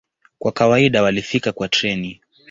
Kwa kawaida walifika kwa treni.